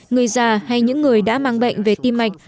người già hay những người đã mang bệnh về tim mạch